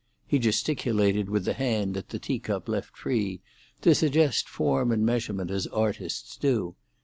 He gesticulated with the hand that the tea cup left free, to suggest form and measurement as artists do.